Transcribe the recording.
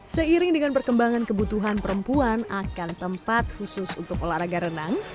seiring dengan perkembangan kebutuhan perempuan akan tempat khusus untuk olahraga renang